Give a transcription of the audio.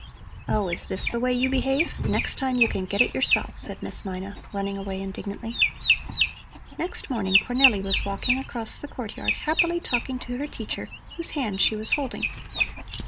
"Oh, is this the way you behave? Next time you can get it yourself," said Miss Mina, running away indignantly. Next morning Cornelli was walking across the courtyard, happily talking to her teacher, whose hand she was holding.